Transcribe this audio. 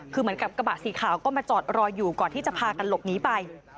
คือเหมือนกับกระบะสีขาวก็มาจอดรออยู่ก่อนที่จะพากันหลบหนีไป